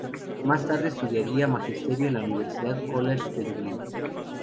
Más tarde estudiaría magisterio en la University College de Dublín.